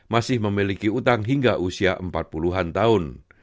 masih memiliki utang hingga usia empat puluh an tahun